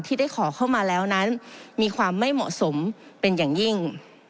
ที่ได้ขอเข้ามาแล้วนั้นมีความไม่เหมาะสมเป็นอย่างยิ่ง